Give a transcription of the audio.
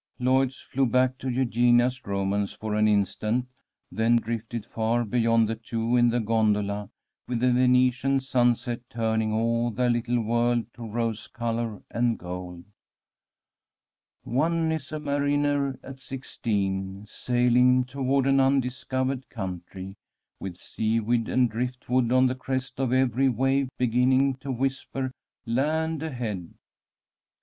Lloyd's flew back to Eugenia's romance for an instant, then drifted far beyond the two in the gondola, with the Venetian sunset turning all their little world to rose colour and gold. [Illustration: "'NO MATTAH WHAT LIES AHEAD ... I'LL NOT DISAPPOINT THEM'"] One is a mariner at sixteen, sailing toward an undiscovered country, with seaweed and driftwood on the crest of every wave beginning to whisper, "Land ahead."